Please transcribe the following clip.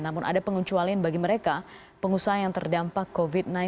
namun ada pengecualian bagi mereka pengusaha yang terdampak covid sembilan belas